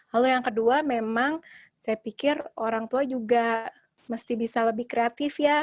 lalu yang kedua memang saya pikir orang tua juga mesti bisa lebih kreatif ya